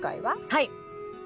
はい。